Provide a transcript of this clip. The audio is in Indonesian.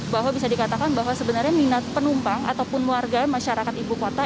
bahwa bisa dikatakan bahwa sebenarnya minat penumpang ataupun warga masyarakat ibu kota